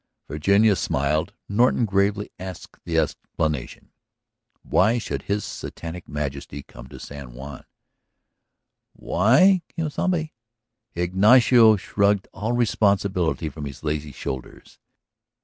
Virginia smiled; Norton gravely asked the explanation. Why should his satanic majesty come to San Juan? "Why? Quien sabe?" Ignacio shrugged all responsibility from his lazy shoulders.